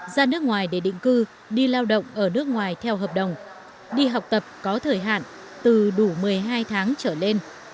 ra nước ngoài để định cư đi lao động ở nước ngoài theo hợp đồng đi học tập có thời hạn từ đủ một mươi hai tháng trở lên